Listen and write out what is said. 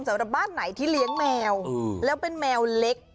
สำหรับบ้านไหนที่เลี้ยงแมวแล้วเป็นแมวเล็ก